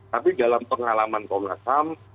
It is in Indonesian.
tapi dalam pengalaman komnas ham